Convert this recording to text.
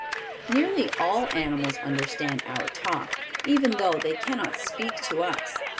Nearly all animals understand our talk, even though they can not speak to us.